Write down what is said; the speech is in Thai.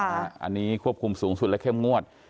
อันนี้ควบคุมสูงสุดและเข้มงวด